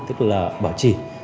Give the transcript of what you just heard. tức là bảo trì